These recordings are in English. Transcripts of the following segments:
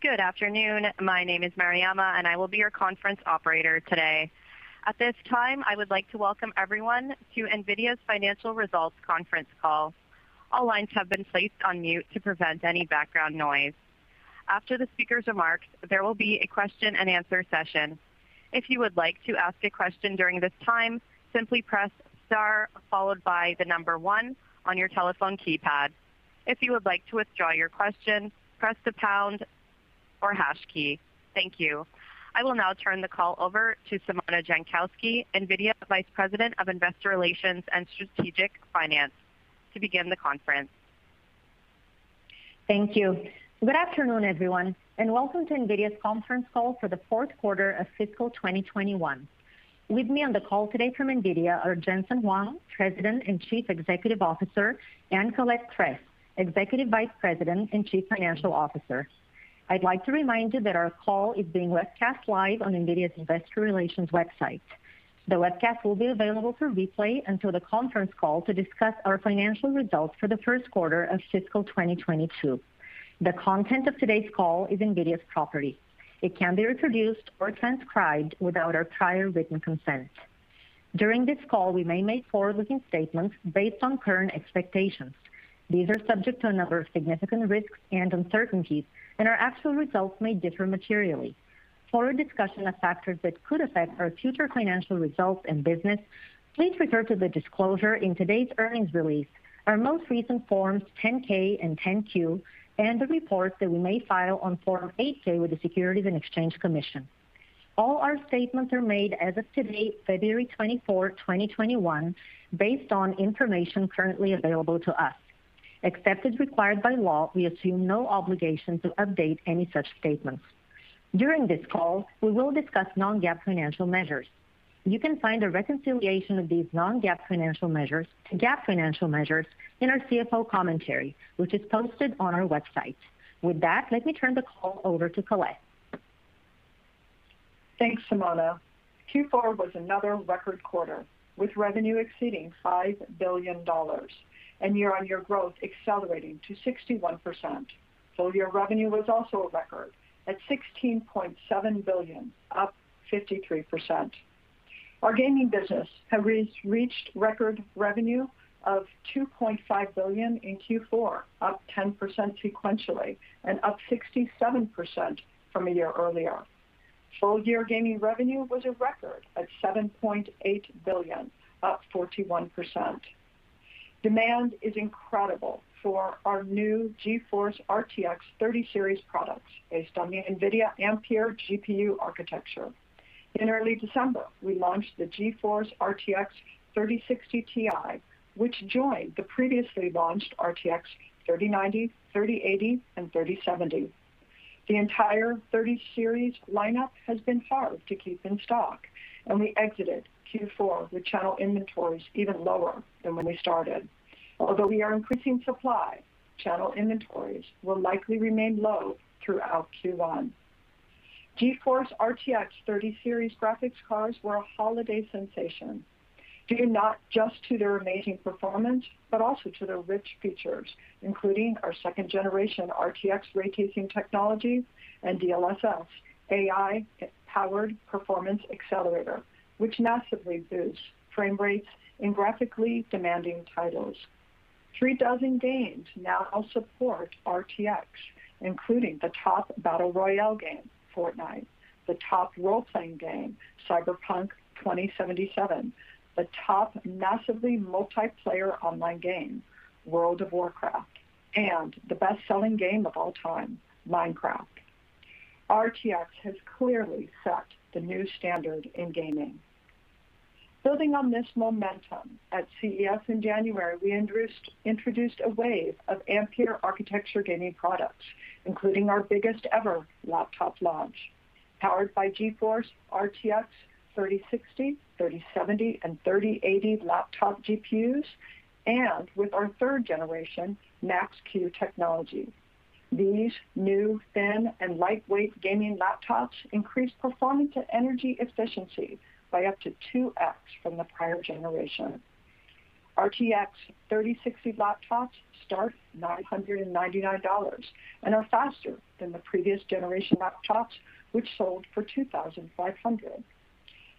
Good afternoon. My name is Mariama, and I will be your conference operator today. At this time, I would like to welcome everyone to NVIDIA's financial results conference call. All lines have been placed on mute to prevent any background noise. After the speaker's remarks, there will be a question-and-answer session. If you would like to ask a question during this time, simply press star followed by the number one on your telephone keypad. If you would like to withdraw your question, press the pound or hash key. Thank you. I will now turn the call over to Simona Jankowski, NVIDIA Vice President of Investor Relations and Strategic Finance, to begin the conference. Thank you. Good afternoon, everyone, and welcome to NVIDIA's conference call for the fourth quarter of fiscal 2021. With me on the call today from NVIDIA are Jensen Huang, President and Chief Executive Officer, and Colette Kress, Executive Vice President and Chief Financial Officer. I'd like to remind you that our call is being webcast live on NVIDIA's investor relations website. The webcast will be available for replay until the conference call to discuss our financial results for the first quarter of fiscal 2022. The content of today's call is NVIDIA's property. It can't be reproduced or transcribed without our prior written consent. During this call, we may make forward-looking statements based on current expectations. These are subject to a number of significant risks and uncertainties, and our actual results may differ materially. For a discussion of factors that could affect our future financial results and business, please refer to the disclosure in today's earnings release, our most recent Forms 10-K and 10-Q, and the reports that we may file on Form 8-K with the Securities and Exchange Commission. All our statements are made as of today, February 24, 2021, based on information currently available to us. Except as required by law, we assume no obligation to update any such statements. During this call, we will discuss non-GAAP financial measures. You can find a reconciliation of these non-GAAP financial measures to GAAP financial measures in our CFO Commentary, which is posted on our website. With that, let me turn the call over to Colette. Thanks, Simona. Q4 was another record quarter, with revenue exceeding $5 billion, and year-on-year growth accelerating to 61%. Full-year revenue was also a record at $16.7 billion, up 53%. Our gaming business has reached record revenue of $2.5 billion in Q4, up 10% sequentially, and up 67% from a year earlier. Full-year gaming revenue was a record at $7.8 billion, up 41%. Demand is incredible for our new GeForce RTX 30 Series products based on the NVIDIA Ampere GPU Architecture. In early December, we launched the GeForce RTX 3060 Ti, which joined the previously launched RTX 3090, 3080, and 3070. The entire 30 Series lineup has been hard to keep in stock, and we exited Q4 with channel inventories even lower than when we started. Although we are increasing supply, channel inventories will likely remain low throughout Q1. GeForce RTX 30 Series Graphics Cards were a holiday sensation, due not just to their amazing performance but also to their rich features, including our 2nd generation RTX Ray Tracing technology and DLSS AI-powered performance accelerator, which massively boosts frame rates in graphically demanding titles. 36 games now support RTX, including the top battle royale game, Fortnite, the top role-playing game, Cyberpunk 2077, the top massively multiplayer online game, World of Warcraft, and the best-selling game of all time, Minecraft. RTX has clearly set the new standard in gaming. Building on this momentum, at CES in January, we introduced a wave of Ampere architecture gaming products, including our biggest ever laptop launch, powered by GeForce RTX 3060, 3070, and 3080 laptop GPUs, and with our 3rd generation Max-Q technology. These new thin and lightweight gaming laptops increase performance and energy efficiency by up to 2x from the prior generation. RTX 3060 laptops start $999 and are faster than the previous generation laptops, which sold for $2,500.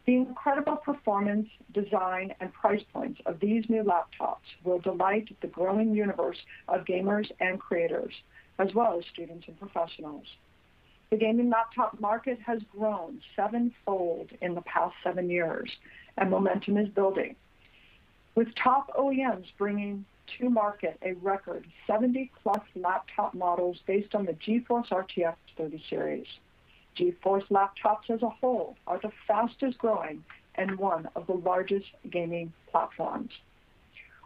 The incredible performance, design, and price points of these new laptops will delight the growing universe of gamers and creators, as well as students and professionals. The gaming laptop market has grown 7x in the past seven years, and momentum is building, with top OEMs bringing to market a record 70+ laptop models based on the GeForce RTX 30 Series. GeForce laptops as a whole are the fastest-growing and one of the largest gaming platforms.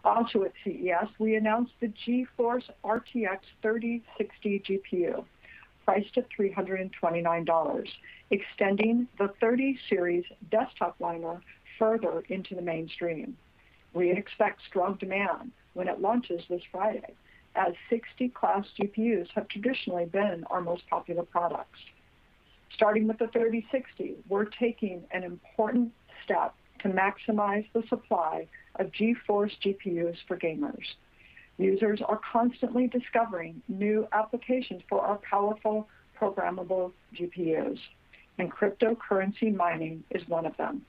Also at CES, we announced the GeForce RTX 3060 GPU, priced at $329, extending the 30 Series desktop lineup further into the mainstream. We expect strong demand when it launches this Friday, as 60-class GPUs have traditionally been our most popular products. Starting with the GeForce RTX 3060, we're taking an important step to maximize the supply of GeForce GPUs for gamers. Cryptocurrency mining is one of them.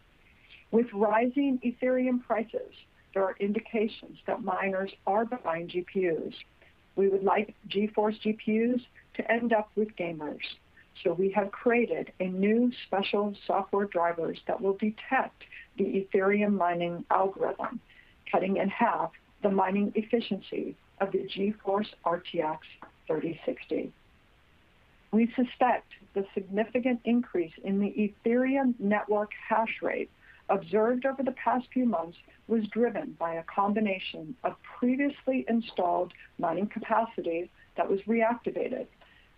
With rising Ethereum prices, there are indications that miners are behind GPUs. We would like GeForce GPUs to end up with gamers, so we have created a new special software drivers that will detect the Ethereum mining algorithm, cutting in half the mining efficiency of the GeForce RTX 3060. We suspect the significant increase in the Ethereum network hash rate observed over the past few months was driven by a combination of previously installed mining capacity that was reactivated,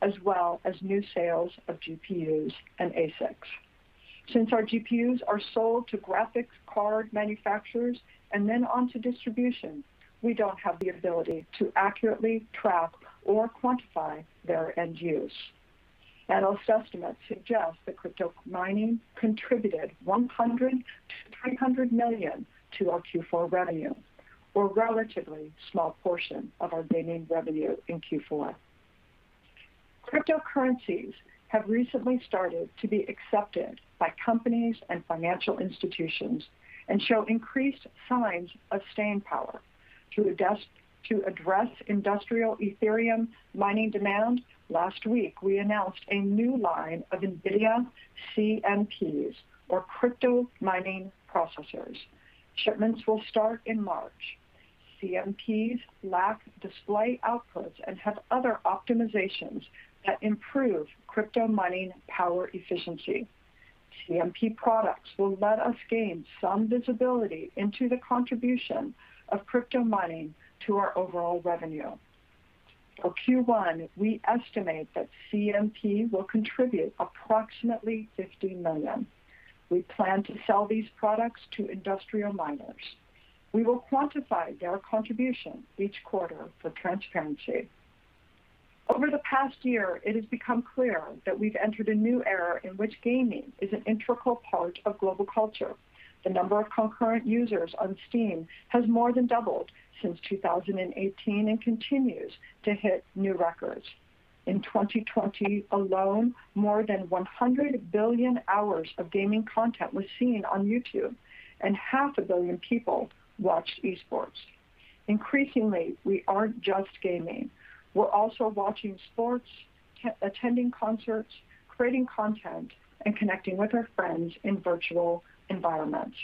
as well as new sales of GPUs and ASICs. Since our GPUs are sold to graphics card manufacturers and then onto distribution, we don't have the ability to accurately track or quantify their end use. Analyst estimates suggest that crypto mining contributed $100 million-$300 million to our Q4 revenue, or a relatively small portion of our gaming revenue in Q4. Cryptocurrencies have recently started to be accepted by companies and financial institutions and show increased signs of staying power. To address industrial Ethereum mining demand, last week we announced a new line of NVIDIA CMPs, or Crypto Mining Processors. Shipments will start in March. CMPs lack display outputs and have other optimizations that improve crypto mining power efficiency. CMP products will let us gain some visibility into the contribution of crypto mining to our overall revenue. For Q1, we estimate that CMP will contribute approximately $50 million. We plan to sell these products to industrial miners. We will quantify their contribution each quarter for transparency. Over the past year, it has become clear that we've entered a new era in which gaming is an integral part of global culture. The number of concurrent users on Steam has more than doubled since 2018 and continues to hit new records. In 2020 alone, more than 100 billion hours of gaming content was seen on YouTube, and 500 million people watched esports. Increasingly, we aren't just gaming. We're also watching sports, attending concerts, creating content, and connecting with our friends in virtual environments.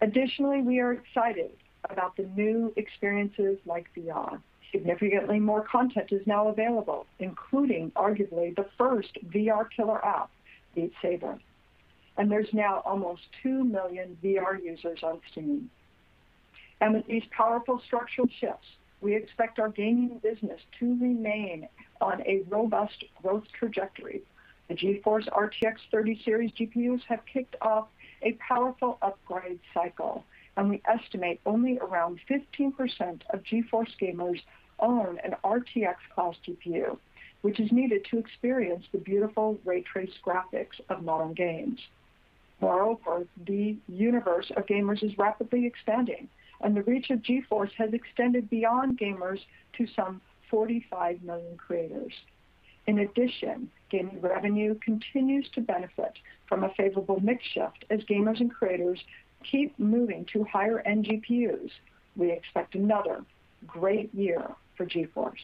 Additionally, we are excited about the new experiences like VR. Significantly more content is now available, including arguably the first VR killer app, Beat Saber. There's now almost 2 million VR users on Steam. With these powerful structural shifts, we expect our gaming business to remain on a robust growth trajectory. The GeForce RTX 30 Series GPUs have kicked off a powerful upgrade cycle, and we estimate only around 15% of GeForce gamers own an RTX class GPU, which is needed to experience the beautiful ray traced graphics of modern games. Moreover, the universe of gamers is rapidly expanding, and the reach of GeForce has extended beyond gamers to some 45 million creators. In addition, gaming revenue continues to benefit from a favorable mix shift as gamers and creators keep moving to higher-end GPUs. We expect another great year for GeForce.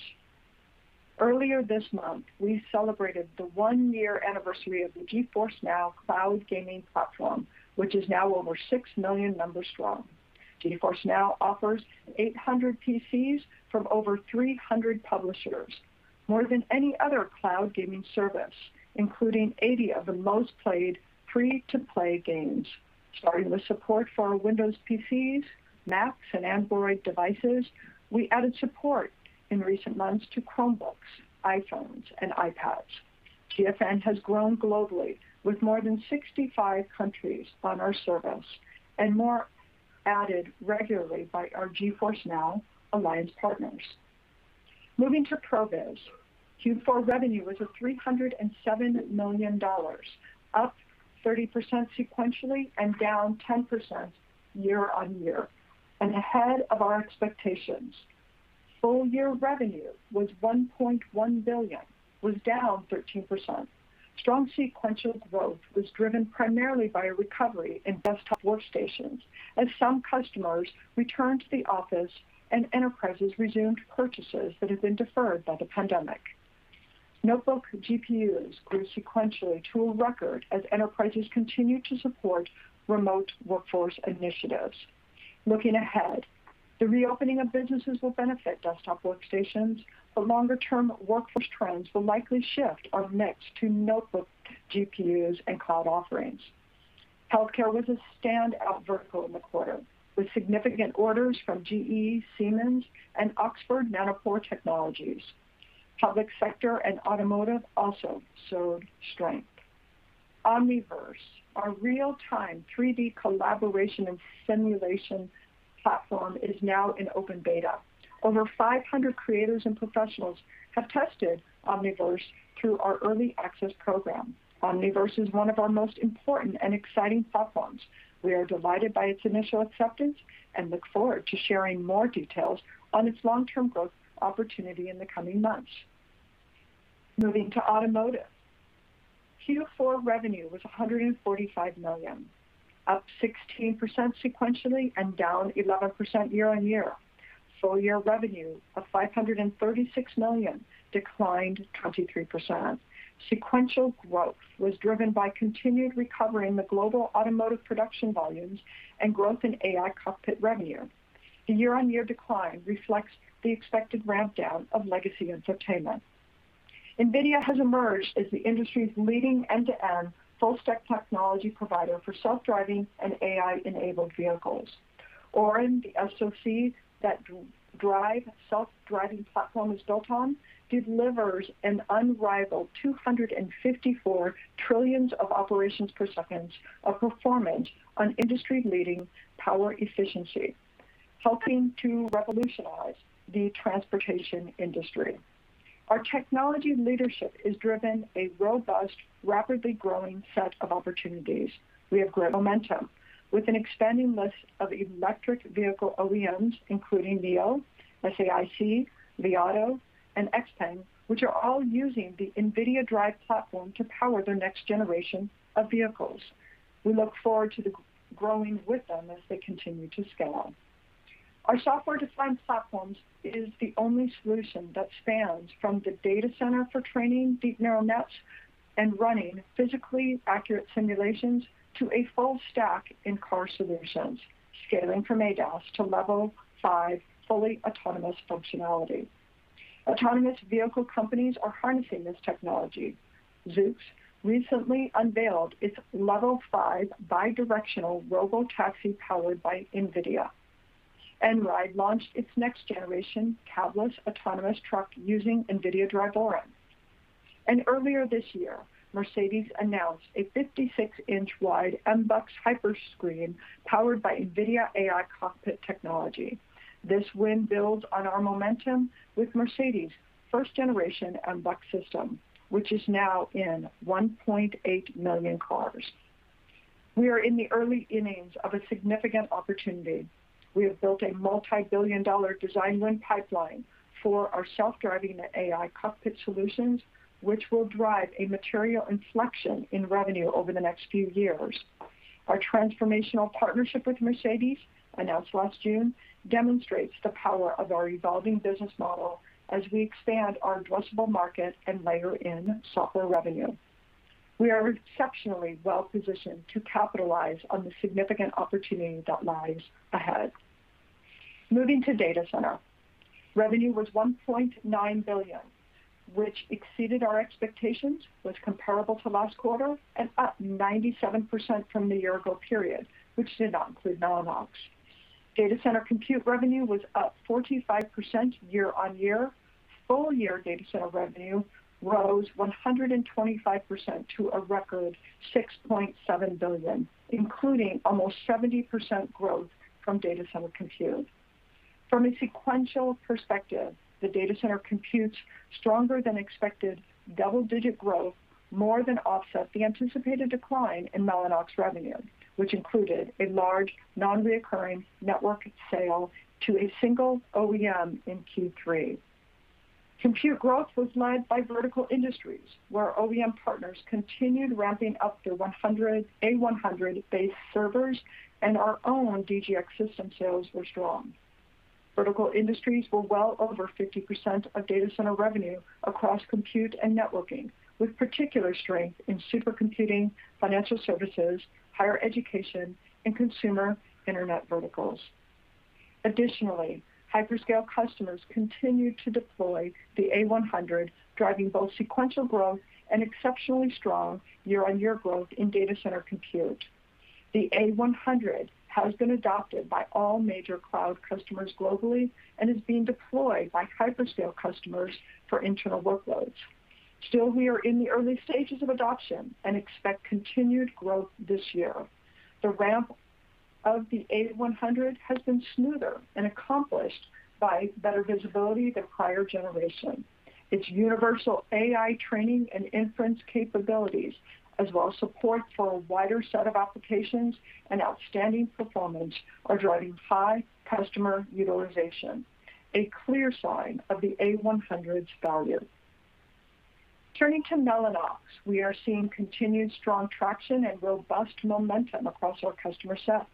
Earlier this month, we celebrated the one-year anniversary of the GeForce NOW cloud gaming platform, which is now over 6 million members strong. GeForce NOW offers 800 PCs from over 300 publishers, more than any other cloud gaming service, including 80 of the most played free-to-play games. Starting with support for our Windows PCs, Macs, and Android devices, we added support in recent months to Chromebooks, iPhones, and iPads. GFN has grown globally with more than 65 countries on our service, and more added regularly by our GeForce NOW alliance partners. Moving to Pro Viz. Q4 revenue was at $307 million, up 30% sequentially and down 10% year-on-year, and ahead of our expectations. Full year revenue was $1.1 billion, was down 13%. Strong sequential growth was driven primarily by a recovery in desktop workstations as some customers returned to the office and enterprises resumed purchases that had been deferred by the pandemic. Notebook GPUs grew sequentially to a record as enterprises continued to support remote workforce initiatives. Looking ahead, the reopening of businesses will benefit desktop workstations, but longer-term workforce trends will likely shift our mix to notebook GPUs and cloud offerings. Healthcare was a standout vertical in the quarter, with significant orders from GE, Siemens, and Oxford Nanopore Technologies. Public sector and automotive also showed strength. Omniverse, our real-time 3D collaboration and simulation platform is now in open beta. Over 500 creators and professionals have tested Omniverse through our early access program. Omniverse is one of our most important and exciting platforms. We are delighted by its initial acceptance and look forward to sharing more details on its long-term growth opportunity in the coming months. Moving to automotive. Q4 revenue was $145 million, up 16% sequentially and down 11% year-on-year. Full year revenue of $536 million, declined 23%. Sequential growth was driven by continued recovery in the global automotive production volumes and growth in AI cockpit revenue. The year-on-year decline reflects the expected ramp down of legacy infotainment. NVIDIA has emerged as the industry's leading end-to-end full-stack technology provider for self-driving and AI-enabled vehicles. Orin, the SoC that self-driving platform is built on, delivers an unrivaled 254 trillion operations per second of performance on industry-leading power efficiency, helping to revolutionize the transportation industry. Our technology leadership has driven a robust, rapidly growing set of opportunities. We have great momentum with an expanding list of electric vehicle OEMs, including NIO, SAIC, Li Auto, and XPENG, which are all using the NVIDIA DRIVE platform to power their next generation of vehicles. We look forward to growing with them as they continue to scale. Our software-defined platforms is the only solution that spans from the data center for training deep neural nets and running physically accurate simulations to a full-stack in-car solutions, scaling from ADAS to Level 5 fully autonomous functionality. Autonomous vehicle companies are harnessing this technology. Zoox recently unveiled its Level 5 bidirectional robotaxi powered by NVIDIA. Einride launched its next-generation cabless autonomous truck using NVIDIA DRIVE Orin. Earlier this year, Mercedes announced a 56-in wide MBUX Hyperscreen powered by NVIDIA AI cockpit technology. This win builds on our momentum with Mercedes' 1st-generation MBUX system, which is now in 1.8 million cars. We are in the early innings of a significant opportunity. We have built a multi-billion dollar design win pipeline for our self-driving and AI cockpit solutions, which will drive a material inflection in revenue over the next few years. Our transformational partnership with Mercedes, announced last June, demonstrates the power of our evolving business model as we expand our addressable market and layer in software revenue. We are exceptionally well positioned to capitalize on the significant opportunity that lies ahead. Moving to data center. Revenue was $1.9 billion, which exceeded our expectations, was comparable to last quarter, and up 97% from the year-ago period, which did not include Mellanox. Data center compute revenue was up 45% year-on-year. Full year data center revenue rose 125% to a record $6.7 billion, including almost 70% growth from data center compute. From a sequential perspective, the data center compute's stronger than expected double-digit growth more than offset the anticipated decline in Mellanox revenue, which included a large non-recurring network sale to a single OEM in Q3. Compute growth was led by vertical industries, where OEM partners continued ramping up their A100-based servers, and our own DGX system sales were strong. Vertical industries were well over 50% of data center revenue across compute and networking, with particular strength in supercomputing, financial services, higher education, and consumer internet verticals. Additionally, hyperscale customers continued to deploy the NVIDIA A100 Tensor Core GPU, driving both sequential growth and exceptionally strong year-on-year growth in data center compute. The A100 has been adopted by all major cloud customers globally and is being deployed by hyperscale customers for internal workloads. Still, we are in the early stages of adoption and expect continued growth this year. The ramp of the A100 has been smoother and accomplished by better visibility than prior generation. Its universal AI training and inference capabilities, as well as support for a wider set of applications and outstanding performance, are driving high customer utilization, a clear sign of the A100's value. Turning to Mellanox, we are seeing continued strong traction and robust momentum across our customer sets.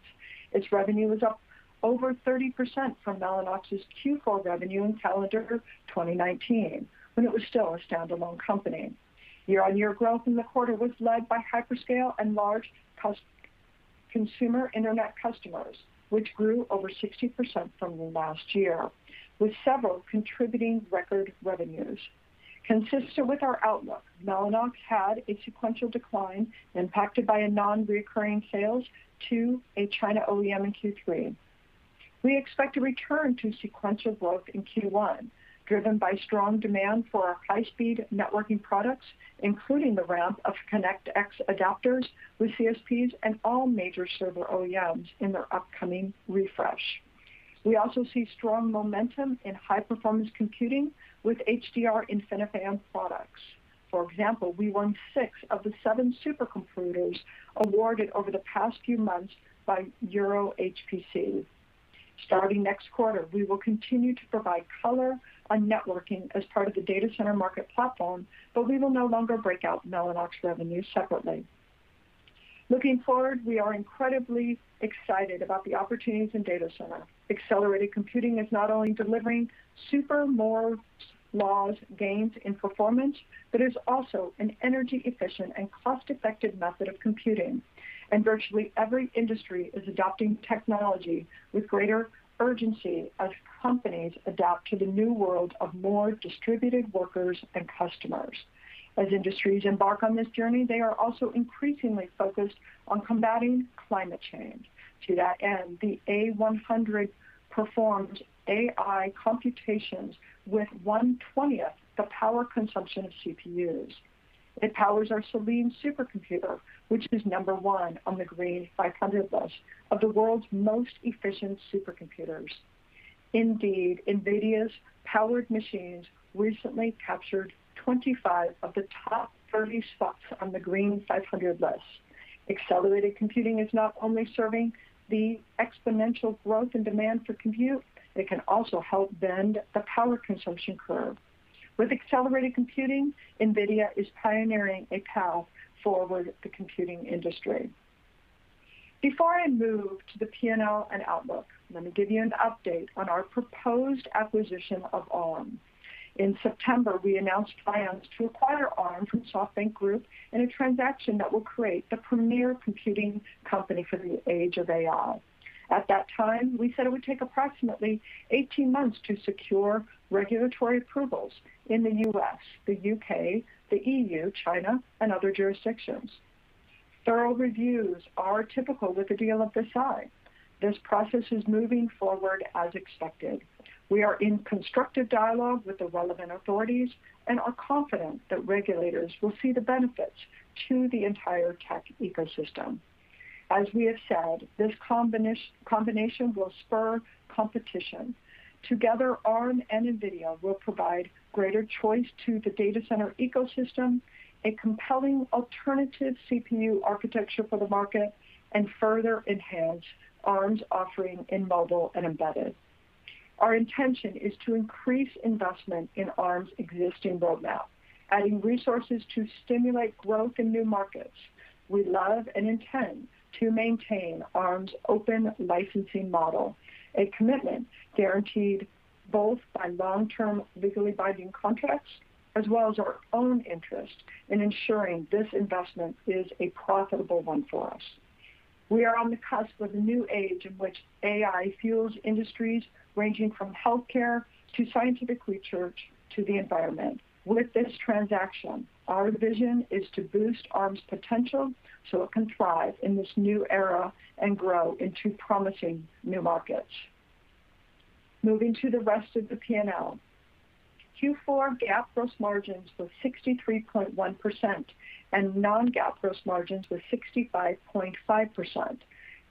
Its revenue was up over 30% from Mellanox's Q4 revenue in calendar 2019, when it was still a standalone company. Year-on-year growth in the quarter was led by hyperscale and large consumer internet customers, which grew over 60% from last year, with several contributing record revenues. Consistent with our outlook, Mellanox had a sequential decline impacted by a non-recurring sale to a China OEM in Q3. We expect a return to sequential growth in Q1, driven by strong demand for our high-speed networking products, including the ramp of ConnectX adapters with CSPs and all major server OEMs in their upcoming refresh. We also see strong momentum in high-performance computing with HDR InfiniBand products. For example, we won six of the seven supercomputers awarded over the past few months by EuroHPC JU. Starting next quarter, we will continue to provide color on networking as part of the data center market platform, but we will no longer break out Mellanox revenue separately. Looking forward, we are incredibly excited about the opportunities in data center. Accelerated computing is not only delivering super-Moore's Law gains in performance, but is also an energy efficient and cost-effective method of computing. Virtually every industry is adopting technology with greater urgency as companies adapt to the new world of more distributed workers and customers. As industries embark on this journey, they are also increasingly focused on combating climate change. To that end, the A100 performed AI computations with 1/20 the power consumption of CPUs. It powers our Selene supercomputer, which is number one on the Green500 list of the world's most efficient supercomputers. Indeed, NVIDIA's powered machines recently captured 25 of the top 30 spots on the Green500 list. Accelerated computing is not only serving the exponential growth and demand for compute, it can also help bend the power consumption curve. With accelerated computing, NVIDIA is pioneering a path forward the computing industry. Before I move to the P&L and outlook, let me give you an update on our proposed acquisition of Arm. In September, we announced plans to acquire Arm from SoftBank Group in a transaction that will create the premier computing company for the age of AI. At that time, we said it would take approximately 18 months to secure regulatory approvals in the U.S., the U.K., the EU, China, and other jurisdictions. Thorough reviews are typical with a deal of this size. This process is moving forward as expected. We are in constructive dialogue with the relevant authorities and are confident that regulators will see the benefits to the entire tech ecosystem. As we have said, this combination will spur competition. Together, Arm and NVIDIA will provide greater choice to the data center ecosystem, a compelling alternative CPU architecture for the market, and further enhance Arm's offering in mobile and embedded. Our intention is to increase investment in Arm's existing roadmap, adding resources to stimulate growth in new markets. We love and intend to maintain Arm's open licensing model, a commitment guaranteed both by long-term legally binding contracts as well as our own interest in ensuring this investment is a profitable one for us. We are on the cusp of a new age in which AI fuels industries ranging from healthcare to scientific research to the environment. With this transaction, our vision is to boost Arm's potential so it can thrive in this new era and grow into promising new markets. Moving to the rest of the P&L, Q4 GAAP gross margins were 63.1% and non-GAAP gross margins were 65.5%.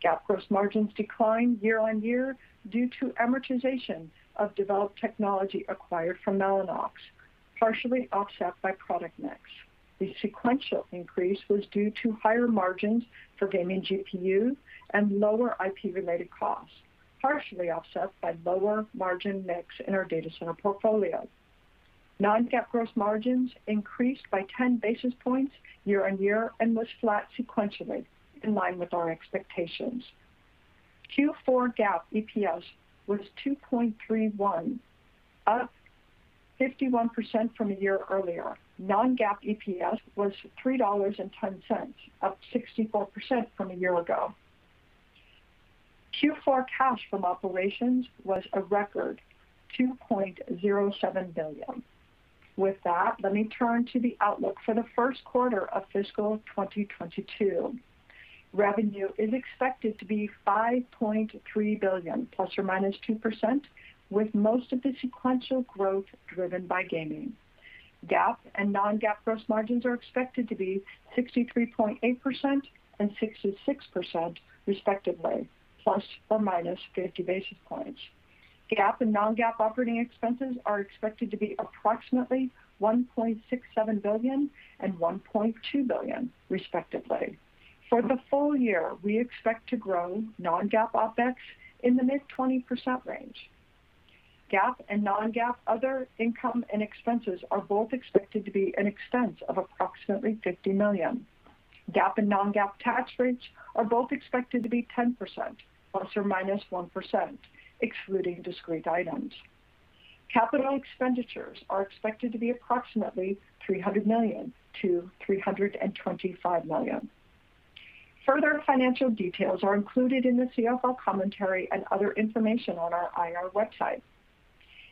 GAAP gross margins declined year-on-year due to amortization of developed technology acquired from Mellanox, partially offset by product mix. The sequential increase was due to higher margins for gaming GPU and lower IP-related costs, partially offset by lower margin mix in our data center portfolio. Non-GAAP gross margins increased by 10 basis points year-on-year and was flat sequentially, in line with our expectations. Q4 GAAP EPS was $2.31, up 51% from a year earlier. Non-GAAP EPS was $3.10, up 64% from a year ago. Q4 cash from operations was a record $2.07 billion. With that, let me turn to the outlook for the first quarter of fiscal 2022. Revenue is expected to be $5.3 billion, ±2%, with most of the sequential growth driven by gaming. GAAP and non-GAAP gross margins are expected to be 63.8% and 66%, respectively, ±50 basis points. GAAP and non-GAAP operating expenses are expected to be approximately $1.67 billion and $1.2 billion, respectively. For the full year, we expect to grow non-GAAP opex in the mid-20% range. GAAP and non-GAAP other income and expenses are both expected to be an expense of approximately $50 million. GAAP and non-GAAP tax rates are both expected to be 10%, ±1%, excluding discrete items. Capital expenditures are expected to be approximately $300 million-$325 million. Further financial details are included in the CFO Commentary and other information on our IR website.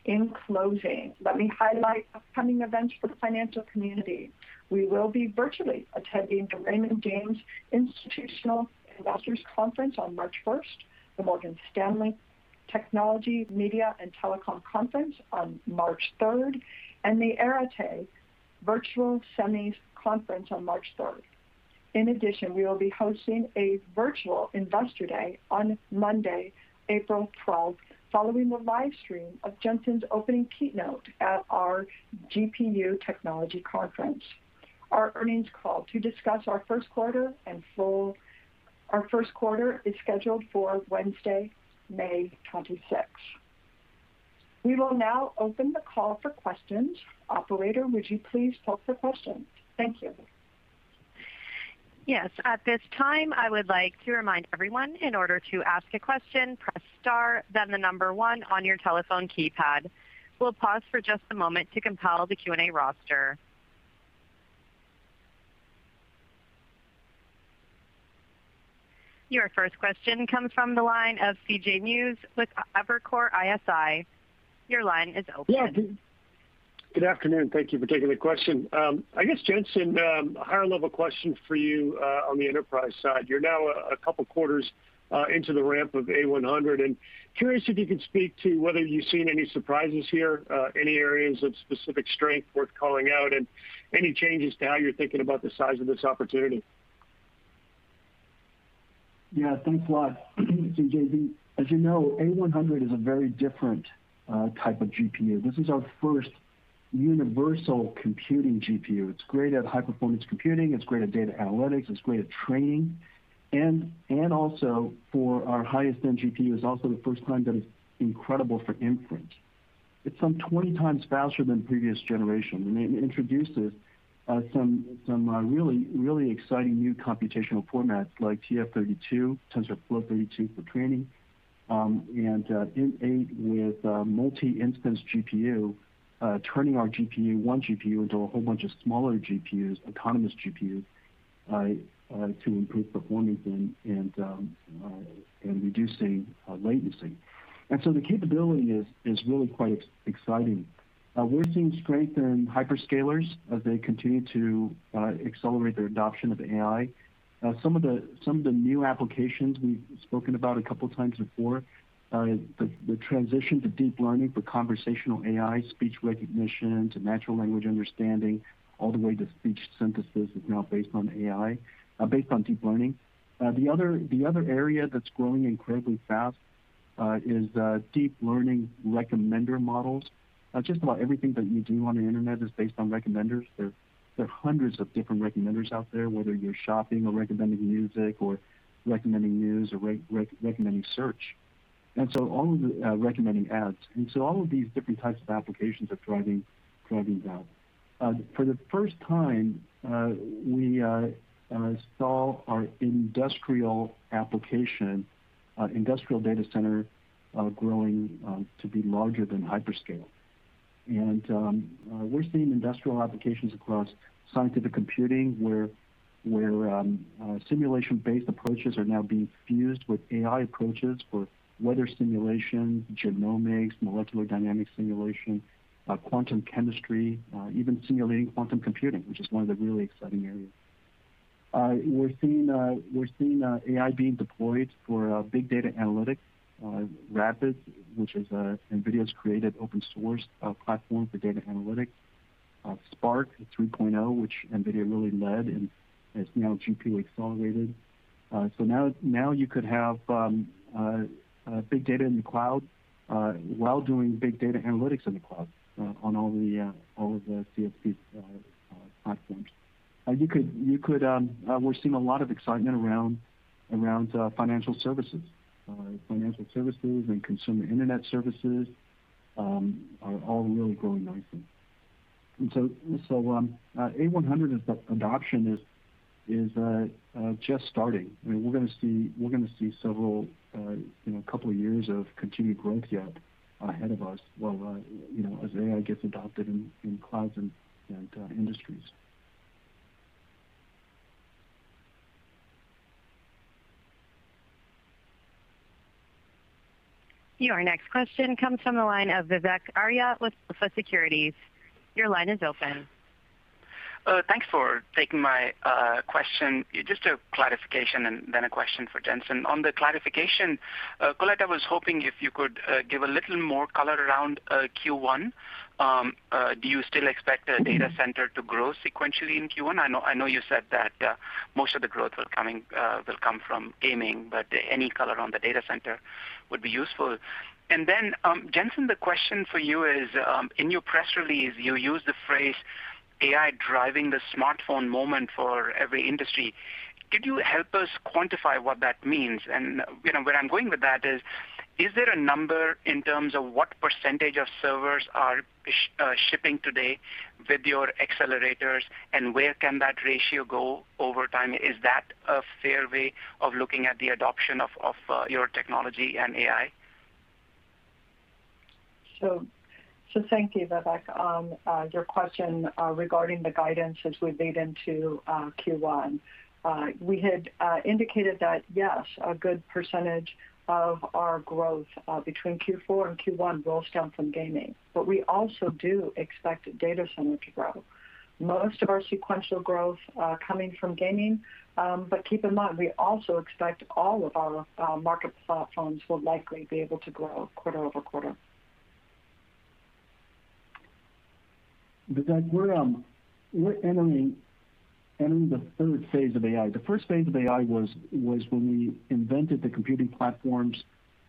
In closing, let me highlight upcoming events for the financial community. We will be virtually attending the Raymond James 42nd Institutional Investors Conference on March 1st, the Morgan Stanley Technology, Media and Telecom Conference on March 3rd, and the Arete Virtual Semis Conference on March 3rd. In addition, we will be hosting a virtual Investor Day on Monday, April 12th, following the live stream of Jensen's opening keynote at our GPU Technology Conference. Our earnings call to discuss our first quarter is scheduled for Wednesday, May 26th. We will now open the call for questions. Operator, would you please poll for questions? Thank you. Yes. At this time, I would like to remind everyone, in order to ask a question, press star then the number one on your telephone keypad. We'll pause for just a moment to compile the Q&A roster. Your first question comes from the line of C.J. Muse with Evercore ISI. Your line is open. Yeah. Good afternoon. Thank you for taking the question. I guess, Jensen, a higher-level question for you on the enterprise side. You're now a couple quarters into the ramp of A100. Curious if you can speak to whether you've seen any surprises here, any areas of specific strength worth calling out, and any changes to how you're thinking about the size of this opportunity? Yeah, thanks a lot, C.J. As you know, A100 is a very different type of GPU. This is our first universal computing GPU. It's great at high-performance computing, it's great at data analytics, it's great at training. Also, for our highest-end GPU, it's also the first time that it's incredible for inference. It's some 20x faster than previous generations, and it introduces some really exciting new computational formats like TF32, Tensor Float 32 for training, and INT8 with Multi-Instance GPU, turning our one GPU into a whole bunch of smaller GPUs, autonomous GPUs, to improve performance and reducing latency. So the capability is really quite exciting. We're seeing strength in hyperscalers as they continue to accelerate their adoption of AI. Some of the new applications we've spoken about a couple times before, the transition to deep learning for conversational AI, speech recognition, to natural language understanding, all the way to speech synthesis, is now based on deep learning. The other area that's growing incredibly fast is deep learning recommender models. Just about everything that you do on the internet is based on recommenders. There are hundreds of different recommenders out there, whether you're shopping or recommending music, or recommending news or recommending search, recommending ads. All of these different types of applications are driving value. For the first time, we saw our industrial data center growing to be larger than hyperscale. We're seeing industrial applications across scientific computing, where simulation-based approaches are now being fused with AI approaches for weather simulation, genomics, molecular dynamics simulation, quantum chemistry, even simulating quantum computing, which is one of the really exciting areas. We're seeing AI being deployed for big data analytics. RAPIDS, which is NVIDIA's created open source platform for data analytics. Spark 3.0, which NVIDIA really led, and is now GPU-accelerated. Now you could have big data in the cloud while doing big data analytics in the cloud on all of the CSP platforms. We're seeing a lot of excitement around financial services. Financial services and consumer internet services are all really growing nicely. A100 adoption is just starting. We're going to see a couple of years of continued growth yet ahead of us as AI gets adopted in clouds and industries. Your next question comes from the line of Vivek Arya with BofA Securities. Your line is open. Thanks for taking my question. Just a clarification and then a question for Jensen. On the clarification, Colette, I was hoping if you could give a little more color around Q1. Do you still expect the data center to grow sequentially in Q1? I know you said that most of the growth will come from gaming, but any color on the data center would be useful. Then Jensen, the question for you is, in your press release, you used the phrase "AI driving the smartphone moment for every industry." Could you help us quantify what that means? Where I'm going with that is there a number in terms of what percentage of servers are shipping today with your accelerators, and where can that ratio go over time? Is that a fair way of looking at the adoption of your technology and AI? Thank you, Vivek. On your question regarding the guidance as we lead into Q1, we had indicated that yes, a good percentage of our growth between Q4 and Q1 rolls down from gaming. We also do expect data center to grow, most of our sequential growth coming from gaming. Keep in mind, we also expect all of our market platforms will likely be able to grow quarter-over-quarter. Vivek, we're entering the third phase of AI. The first phase of AI was when we invented the computing platforms,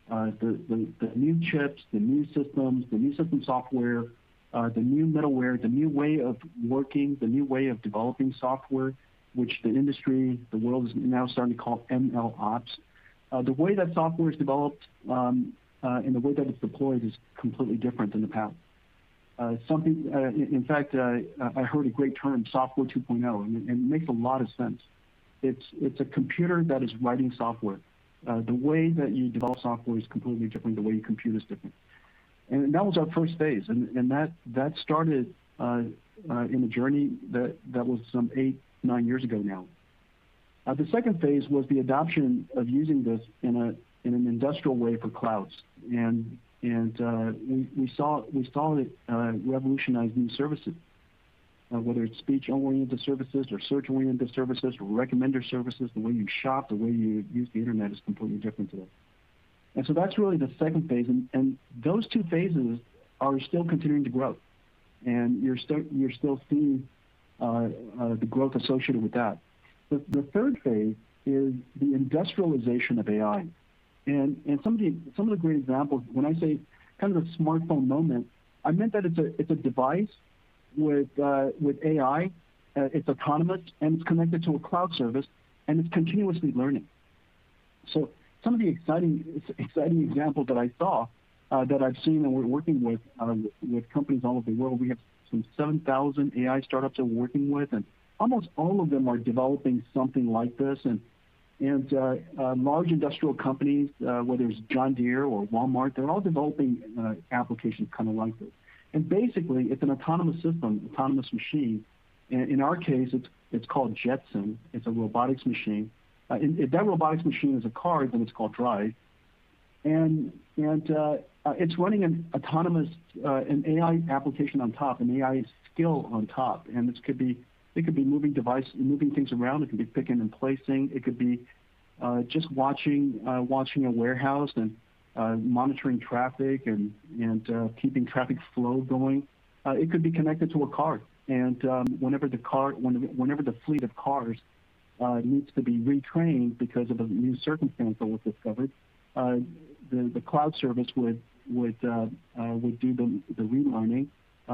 the new chips, the new systems, the new system software, the new middleware, the new way of working, the new way of developing software, which the industry, the world, is now starting to call MLOps. The way that software is developed, and the way that it's deployed is completely different than the past. In fact, I heard a great term, Software 2.0, and it makes a lot of sense. It's a computer that is writing software. The way that you develop software is completely different. The way you compute is different. That was our first phase, and that started in a journey that was some eight, nine years ago now. The second phase was the adoption of using this in an industrial way for clouds. We saw it revolutionize new services, whether it's speech-oriented services or search-oriented services or recommender services. The way you shop, the way you use the internet is completely different today. That's really the second phase, and those two phases are still continuing to grow. You're still seeing the growth associated with that. The third phase is the industrialization of AI. Some of the great examples, when I say kind of the smartphone moment, I meant that it's a device with AI. It's autonomous, and it's connected to a cloud service, and it's continuously learning. Some of the exciting examples that I saw, that I've seen, and we're working with companies all over the world. We have some 7,000 AI startups we're working with, and almost all of them are developing something like this. Large industrial companies, whether it's John Deere or Walmart, they're all developing applications kind of like this. Basically, it's an autonomous system, autonomous machine. In our case, it's called Jetson. It's a robotics machine. If that robotics machine is a car, then it's called DRIVE. It's running an autonomous, an AI application on top, an AI skill on top. It could be moving things around. It could be picking and placing. It could be just watching a warehouse, and monitoring traffic, and keeping traffic flow going. It could be connected to a car. Whenever the fleet of cars needs to be retrained because of a new circumstance that was discovered, the cloud service would do the relearning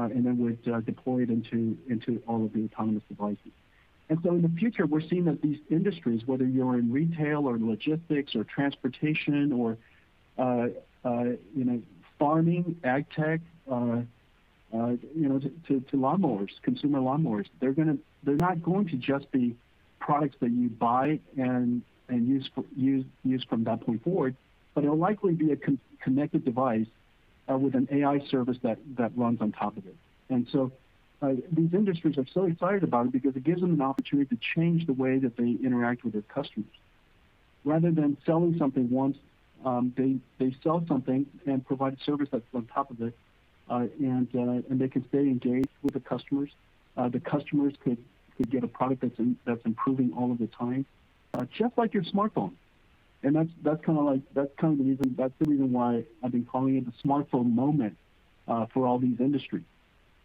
and then would deploy it into all of the autonomous devices. In the future, we're seeing that these industries, whether you're in retail or logistics or transportation or farming, AgTech to lawnmowers, consumer lawnmowers. They're not going to just be products that you buy and use from that point forward, but it'll likely be a connected device with an AI service that runs on top of it. These industries are so excited about it because it gives them an opportunity to change the way that they interact with their customers. Rather than selling something once, they sell something and provide a service that's on top of it. They can stay engaged with the customers. The customers could get a product that's improving all of the time, just like your smartphone. That's the reason why I've been calling it the smartphone moment for all these industries.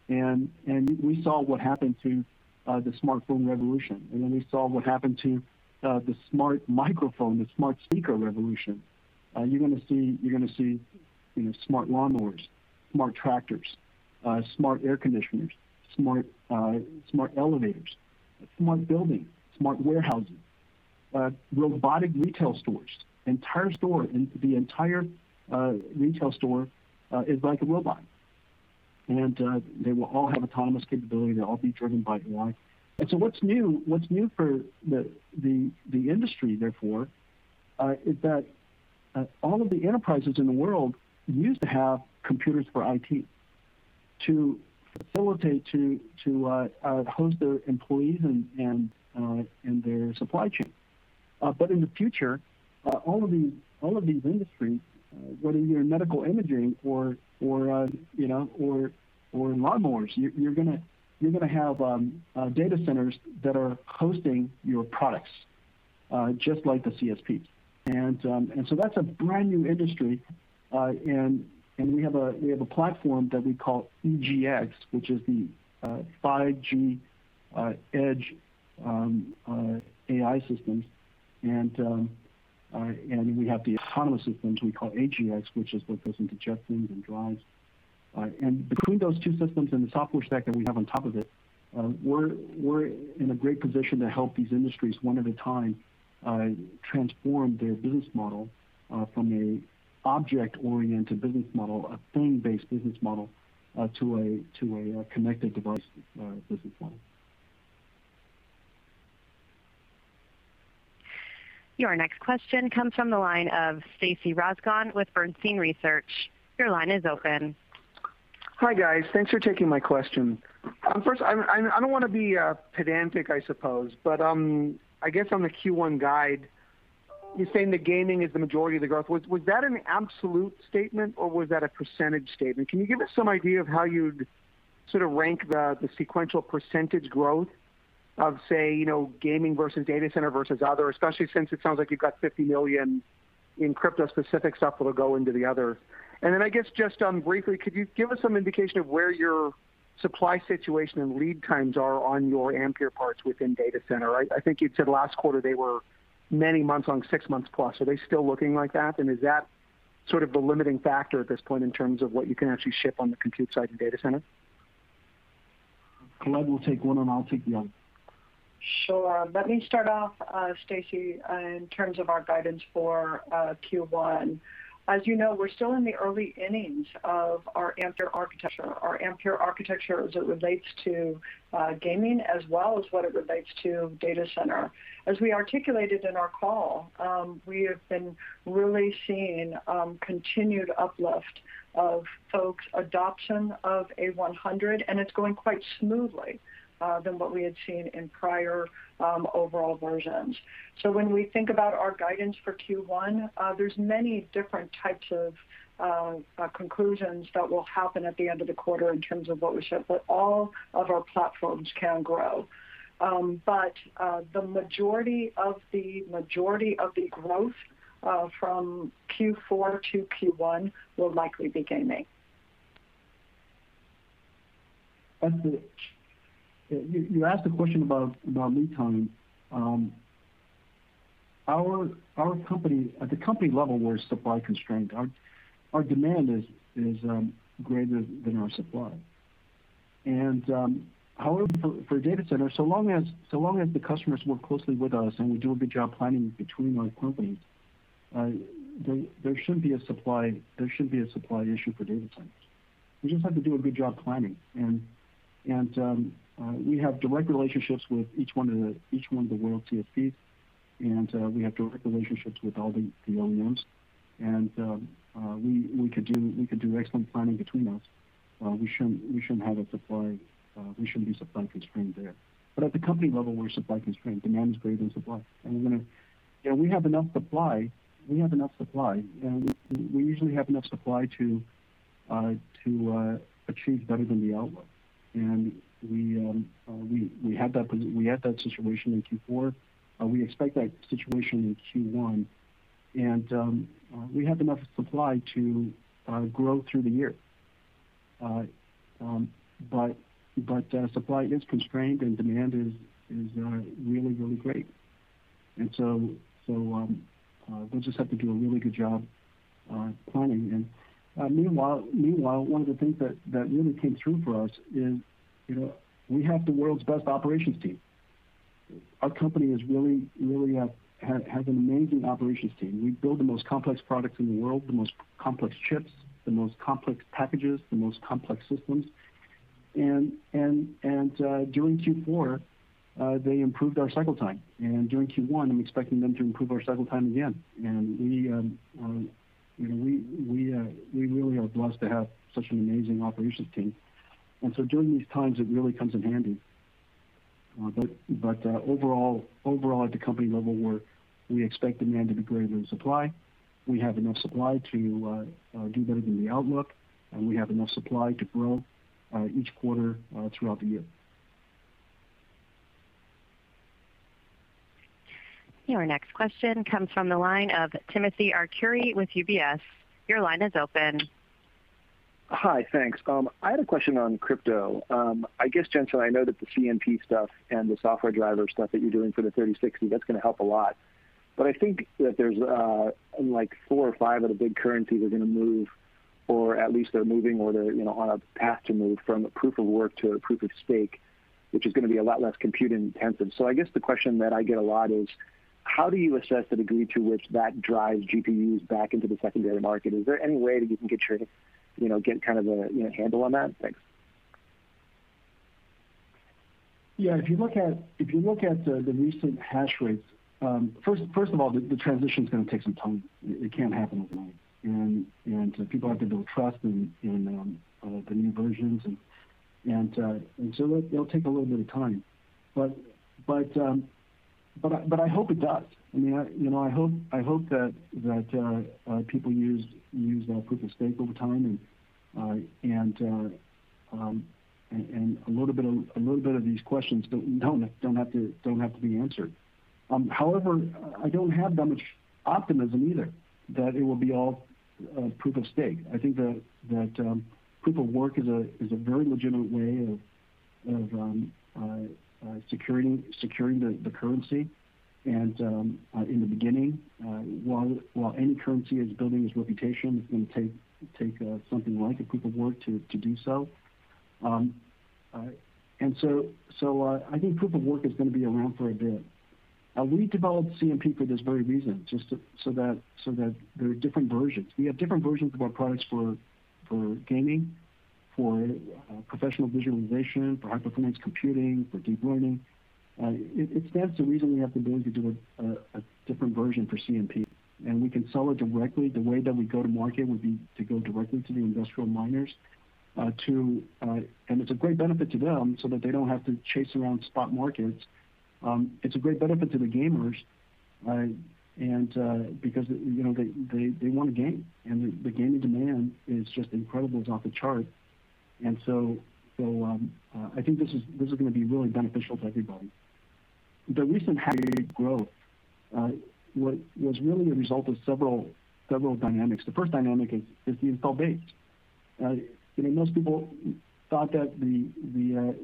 We saw what happened to the smartphone revolution, and then we saw what happened to the smart microphone, the smart speaker revolution. You're going to see smart lawnmowers, smart tractors, smart air conditioners, smart elevators, smart buildings, smart warehousing, robotic retail stores. The entire retail store is like a robot. They will all have autonomous capability. They'll all be driven by AI. What's new for the industry, therefore, is that all of the enterprises in the world used to have computers for IT to facilitate, to host their employees, and their supply chain. In the future, all of these industries, whether you're in medical imaging or in lawnmowers, you're going to have data centers that are hosting your products, just like the CSPs. That's a brand-new industry, and we have a platform that we call EGX, which is the 5G Edge AI systems. We have the autonomous systems we call AGX, which is what goes into Jetsons and DRIVE. Between those two systems and the software stack that we have on top of it, we're in a great position to help these industries, one at a time, transform their business model from an object-oriented business model, a thing-based business model, to a connected device business model. Your next question comes from the line of Stacy Rasgon with BERNSTEIN RESEARCH. Your line is open. Hi, guys. Thanks for taking my question. I don't want to be pedantic, I suppose, but I guess on the Q1 guide, you're saying that gaming is the majority of the growth. Was that an absolute statement, or was that a percentage statement? Can you give us some idea of how you'd sort of rank the sequential percentage growth of, say, gaming versus data center versus other, especially since it sounds like you've got $50 million in crypto-specific stuff that'll go into the other? I guess just briefly, could you give us some indication of where your supply situation and lead times are on your Ampere parts within data center? I think you'd said last quarter they were many months on six months plus. Are they still looking like that? Is that sort of the limiting factor at this point in terms of what you can actually ship on the compute side of data center? Colette will take one, and I'll take the other. Sure. Let me start off, Stacy, in terms of our guidance for Q1. As you know, we're still in the early innings of our Ampere architecture as it relates to gaming, as well as what it relates to data center. As we articulated in our call, we have been really seeing continued uplift of folks' adoption of A100, and it's going quite smoothly than what we had seen in prior overall versions. When we think about our guidance for Q1, there's many different types of conclusions that will happen at the end of the quarter in terms of what we ship, but all of our platforms can grow. The majority of the growth from Q4 to Q1 will likely be gaming. You asked a question about lead time. At the company level, we're supply-constrained. Our demand is greater than our supply. However, for data center, so long as the customers work closely with us and we do a good job planning between our companies, there shouldn't be a supply issue for data centers. We just have to do a good job planning; we have direct relationships with each one of the world's CSPs, we have direct relationships with all the OEMs, and we could do excellent planning between us. We shouldn't be supply-constrained there. At the company level, we're supply-constrained. Demand is greater than supply. We have enough supply. We usually have enough supply to achieve better than the outlook, and we had that situation in Q4. We expect that situation in Q1, we have enough supply to grow through the year. Supply is constrained, and demand is really great. So we'll just have to do a really good job planning. Meanwhile, one of the things that really came through for us is we have the world's best operations team. Our company really has an amazing operations team. We build the most complex products in the world, the most complex chips, the most complex packages, the most complex systems. During Q4, they improved our cycle time. During Q1, I'm expecting them to improve our cycle time again. We really are blessed to have such an amazing operations team, so during these times, it really comes in handy. Overall, at the company level, we expect demand to be greater than supply. We have enough supply to do better than the outlook, and we have enough supply to grow each quarter throughout the year. Your next question comes from the line of Timothy Arcuri with UBS. Your line is open. Hi. Thanks. I had a question on crypto. I guess, Jensen, I know that the CMP stuff and the software driver stuff that you're doing for the GeForce RTX 3060, that's going to help a lot. I think that there's four or five of the big currencies are going to move, or at least they're moving or they're on a path to move from a proof of work to a proof of stake, which is going to be a lot less compute-intensive. I guess the question that I get a lot is: How do you assess the degree to which that drives GPUs back into the secondary market? Is there any way that you can get kind of a handle on that? Thanks. If you look at the recent hash rates, first of all, the transition's going to take some time. It can't happen overnight. People have to build trust in the new versions. It'll take a little bit of time. I hope it does. I hope that people use proof of stake over time. A little bit of these questions don't have to be answered. However, I don't have that much optimism either that it will be all proof of stake. I think that proof of work is a very legitimate way of securing the currency. In the beginning, while any currency is building its reputation, it's going to take something like a proof of work to do so. I think proof of work is going to be around for a bit. We developed CMP for this very reason, just so that there are different versions. We have different versions of our products for gaming. For Professional Visualization, for high-performance computing, for deep learning, it stands to reason we have the ability to do a different version for CMP. We can sell it directly. The way that we go to market would be to go directly to the industrial miners. It's a great benefit to them so that they don't have to chase around spot markets. It's a great benefit to the gamers, because they want to game, and the gaming demand is just incredible. It's off the chart. I think this is going to be really beneficial to everybody. The recent hash rate growth was really a result of several dynamics. The first dynamic is the install base. Most people thought that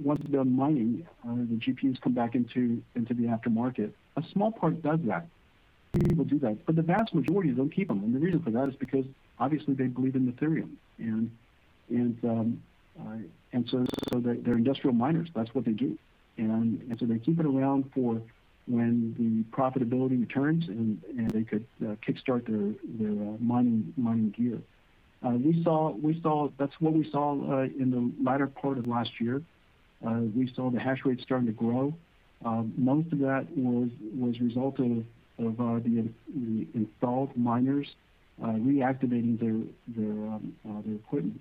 once they're done mining, the GPUs come back into the aftermarket. A small part does that. Many people do that, but the vast majority of them keep them. The reason for that is because obviously they believe in Ethereum, and so they're industrial miners. That's what they do. They keep it around for when the profitability returns, and they could kickstart their mining gear. That's what we saw in the latter part of last year. We saw the hash rate starting to grow. Most of that was result of the installed miners reactivating their equipment.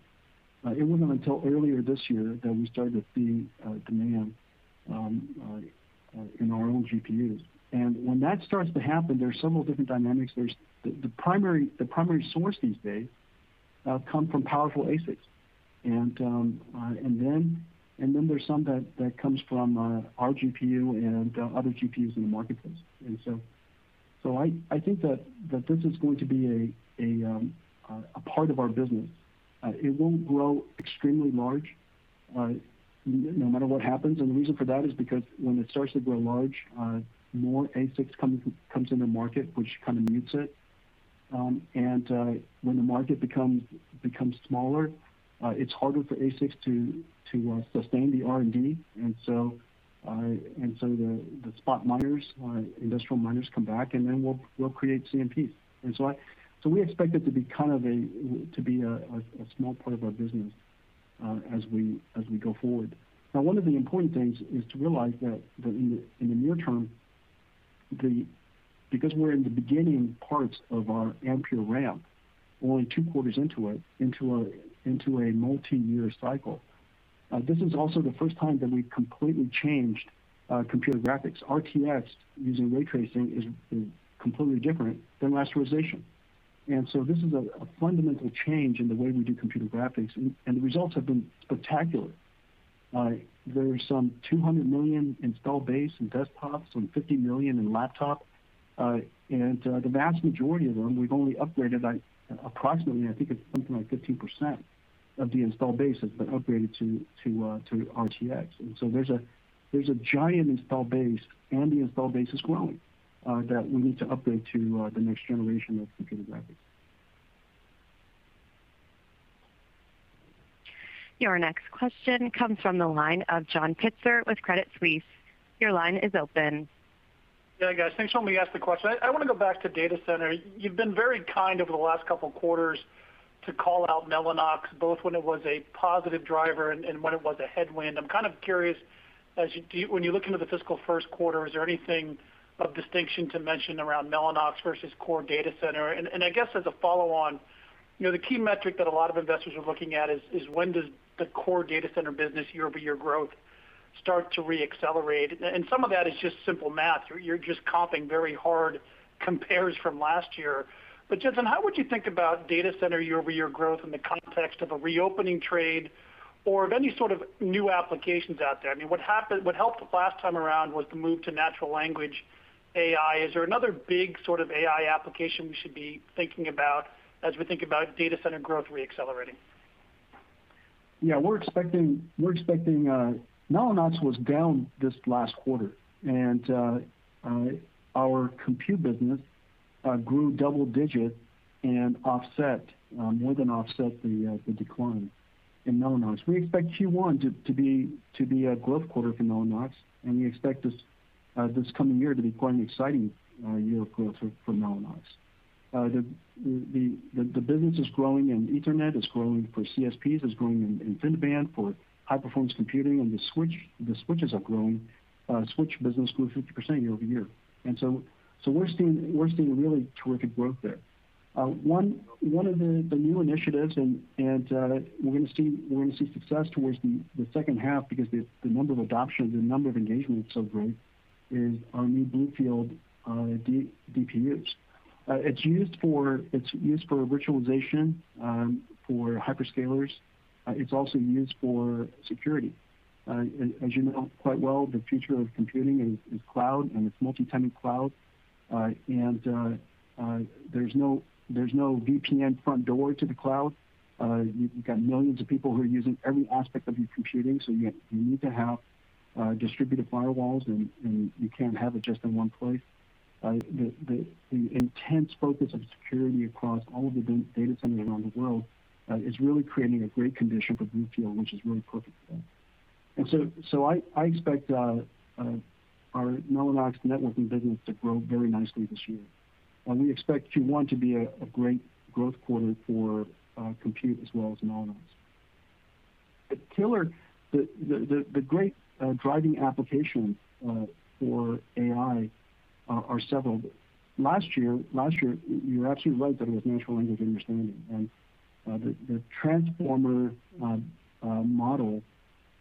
It wasn't until earlier this year that we started seeing demand in our own GPUs. When that starts to happen, there's several different dynamics. The primary source these days come from powerful ASICs. There's some that comes from our GPU and other GPUs in the marketplace. I think that this is going to be a part of our business. It won't grow extremely large, no matter what happens. The reason for that is because when it starts to grow large, more ASICs comes in the market, which kind of mutes it. When the market becomes smaller, it's harder for ASICs to sustain the R&D. The spot miners, industrial miners come back, and then we'll create CMPs. We expect it to be a small part of our business as we go forward. One of the important things is to realize that in the near term, because we're in the beginning parts of our Ampere ramp, only two quarters into it, into a multi-year cycle. This is also the first time that we've completely changed computer graphics. RTX using Ray Tracing is completely different than rasterization. This is a fundamental change in the way we do computer graphics, and the results have been spectacular. There are some 200 million installed base in desktops, some 50 million in laptops. The vast majority of them, we've only upgraded approximately, I think it's something like 15% of the install base has been upgraded to RTX. There's a giant install base, and the install base is growing, that we need to upgrade to the next generation of computer graphics. Your next question comes from the line of John Pitzer with Credit Suisse. Your line is open. Yeah, guys. Thanks for letting me ask the question. I want to go back to data center. You've been very kind over the last couple of quarters to call out Mellanox, both when it was a positive driver and when it was a headwind. I'm kind of curious, when you look into the fiscal first quarter, is there anything of distinction to mention around Mellanox versus core data center? I guess as a follow-on, the key metric that a lot of investors are looking at is when does the core data center business year-over-year growth start to re-accelerate? Some of that is just simple math. You're just comping very hard compares from last year. Jensen, how would you think about data center year-over-year growth in the context of a reopening trade or of any sort of new applications out there? What helped the last time around was the move to natural language AI. Is there another big sort of AI application we should be thinking about as we think about data center growth re-accelerating? Yeah. Mellanox was down this last quarter, and our compute business grew double-digit and more than offset the decline in Mellanox. We expect Q1 to be a growth quarter for Mellanox, and we expect this coming year to be quite an exciting year of growth for Mellanox. The business is growing, Ethernet is growing for CSPs, is growing in InfiniBand for high-performance computing, and the switches are growing. Switch business grew 50% year-over-year. We're seeing really terrific growth there. One of the new initiatives, and we're going to see success towards the second half because the number of adoptions, the number of engagements, is so great, is our new BlueField DPUs. It's used for virtualization for hyperscalers. It's also used for security. As you know quite well, the future of computing is cloud, and it's multi-tenant cloud. There's no VPN front door to the cloud. You've got millions of people who are using every aspect of your computing, so you need to have distributed firewalls, and you can't have it just in one place. The intense focus of security across all of the data centers around the world is really creating a great condition for BlueField, which is really perfect for that. I expect our Mellanox networking business to grow very nicely this year, and we expect Q1 to be a great growth quarter for compute as well as Mellanox. The great driving application for AI are several. Last year, you're absolutely right that it was natural language understanding and the transformer model,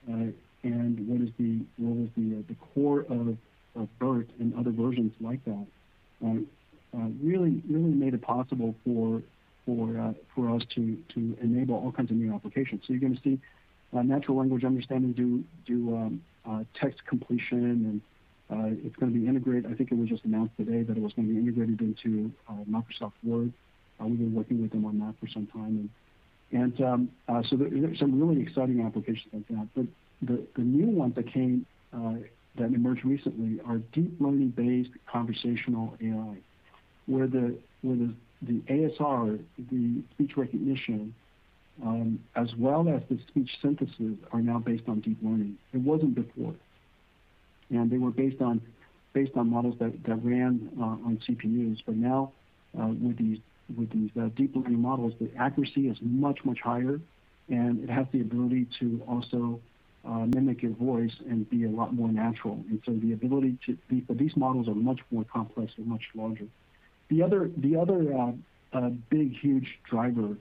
and what was the core of BERT and other versions like that, really made it possible for us to enable all kinds of new applications. You're going to see natural language understanding do text completion, and it's going to be integrated. I think it was just announced today that it was going to be integrated into Microsoft Word. We've been working with them on that for some time. There's some really exciting applications like that. The new ones that emerged recently are deep learning-based conversational AI, where the ASR, the speech recognition, as well as the speech synthesis, are now based on deep learning. It wasn't before, and they were based on models that ran on CPUs. Now, with these deep learning models, the accuracy is much, much higher, and it has the ability to also mimic your voice and be a lot more natural. These models are much more complex and much larger. The other big, huge driver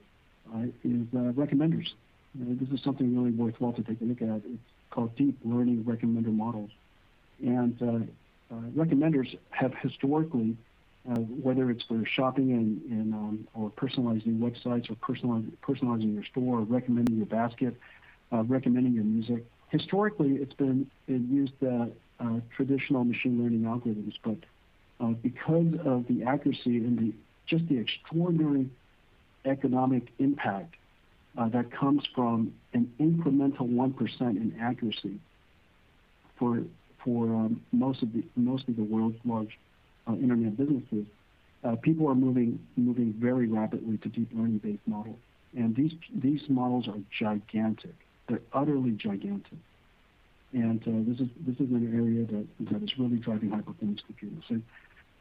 is recommenders. This is something really worthwhile to take a look at. It's called deep learning recommender models. Recommenders have historically, whether it's for shopping, or personalizing websites, or personalizing your store or recommending your basket, recommending your music. Historically, it's used traditional machine learning algorithms. Because of the accuracy and just the extraordinary economic impact that comes from an incremental 1% in accuracy for most of the world's large internet businesses, people are moving very rapidly to deep learning-based models. These models are gigantic. They're utterly gigantic. This is an area that is really driving high-performance computers.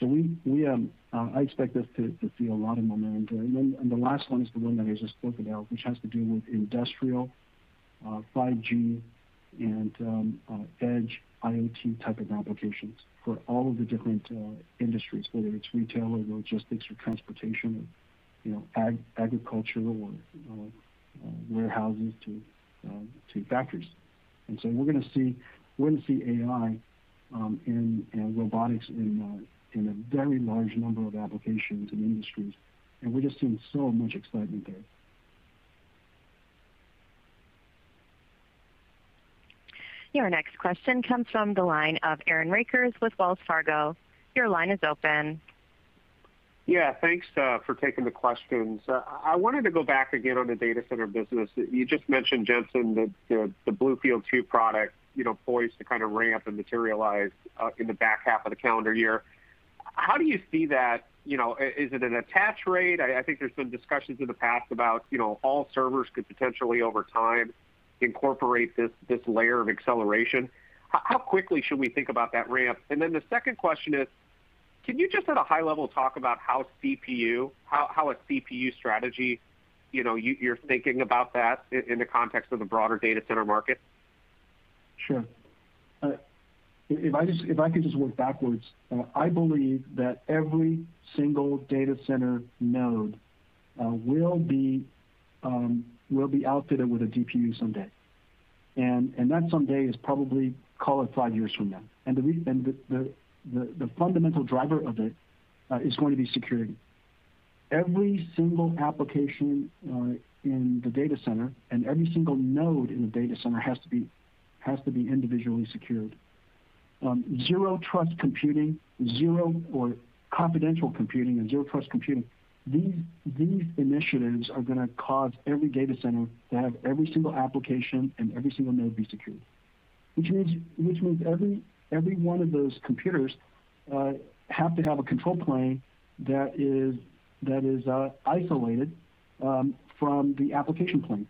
I expect us to see a lot of momentum there. The last one is the one that I just spoke about, which has to do with industrial 5G and edge IoT type of applications for all of the different industries, whether it's retail, or logistics, or transportation, or agricultural, or warehouses to factories. We're going to see AI and robotics in a very large number of applications and industries, and we're just seeing so much excitement there. Your next question comes from the line of Aaron Rakers with Wells Fargo. Your line is open. Thanks for taking the questions. I wanted to go back again on the data center business. You just mentioned, Jensen, the BlueField-2 product poised to ramp and materialize in the back half of the calendar year. How do you see that? Is it an attach rate? I think there's been discussions in the past about all servers could potentially, over time, incorporate this layer of acceleration. How quickly should we think about that ramp? The second question is, can you just, at a high level, talk about how a CPU strategy, you're thinking about that in the context of the broader data center market? Sure. If I could just work backwards. I believe that every single data center node will be outfitted with a DPU someday. That someday is probably, call it five years from now. The fundamental driver of it is going to be security. Every single application in the data center and every single node in the data center has to be individually secured. Zero-Trust Computing, Zero or Confidential Computing and Zero-Trust Computing, these initiatives are going to cause every data center to have every single application and every single node be secured, which means every one of those computers have to have a control plane that is isolated from the application plane.